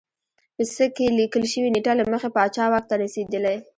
په څلي کې لیکل شوې نېټه له مخې پاچا واک ته رسېدلی